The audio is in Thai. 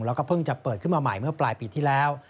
แล้วก็เพิ่งจะเปิดขึ้นมาใหม่เมื่อปลายปีที่แล้ว